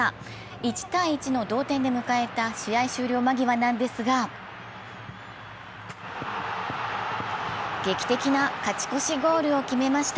１−１の同点で迎えた試合終了間際なんですが、劇的な勝ち越しゴールを決めました。